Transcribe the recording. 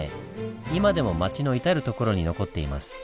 今でも町の至る所に残っています。